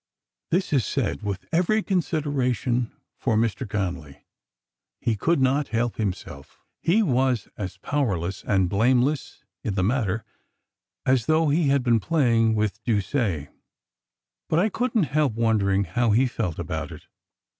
This is said with every consideration for Mr. Connolly. He could not help himself. He was as powerless, and blameless, in the matter as though he had been playing with Duse. But I couldn't help wondering how he felt about it.